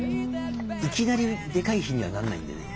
いきなりでかい火にはなんないんでね。